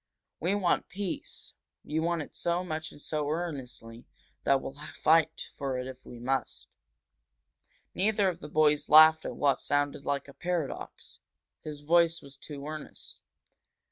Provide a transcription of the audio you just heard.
We want peace we want it so much and so earnestly that we'll fight for it if we must." Neither of the boys laughed at what sounded like a paradox. His voice was too earnest.